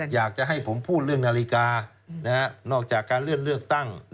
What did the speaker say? อยากจะให้ผมพูดเรื่องนาฬิกานอกจากการเลื่อนเลือกตั้ง